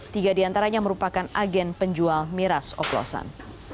tiga diantaranya merupakan agen penjual miras oplosan